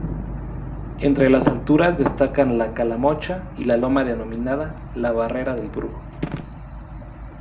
Entre las alturas destacan la Calamocha y la loma denominada "la Barrera del Brujo".